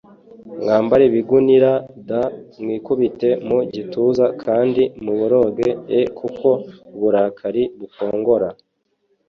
mwambare ibigunira d Mwikubite mu gituza kandi muboroge e kuko uburakari bukongora